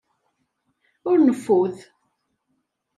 Ur neffud.